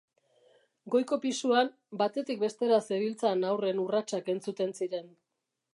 Goiko pisuan batetik bestera zebiltzan haurren urratsak entzuten ziren.